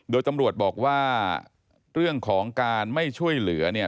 โดยตำรวจบอกว่าเรื่องของการไม่ช่วยเหลือเนี่ย